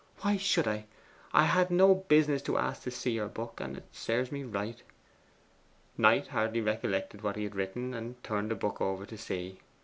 'Why should I? I had no business to ask to see your book, and it serves me right.' Knight hardly recollected what he had written, and turned over the book to see.